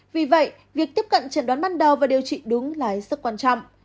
vì vậy việc tiếp cận trần đoán ban đầu và điều trị đúng là sức quan trọng